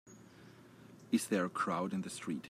Is there a crowd in the street?